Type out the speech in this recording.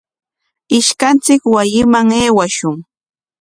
Ishkanchik wasiman aywashun.